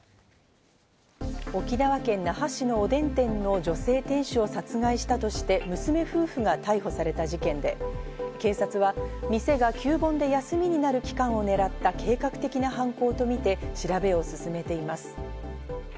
沖縄県那覇市のおでん店の女性店主を殺害したとして娘夫婦が逮捕された事件で、警察は店が旧盆で休みになる期間を狙った計画的な犯行とみて調べを進めています。